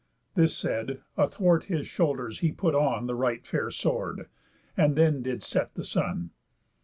This said, athwart his shoulders he put on The right fair sword; and then did set the sun.